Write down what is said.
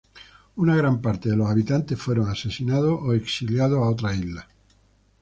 Una gran parte de los habitantes fueron asesinados o exiliados a otras islas.